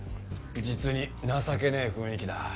実に情けねえ雰囲気だ。